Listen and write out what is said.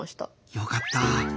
よかった！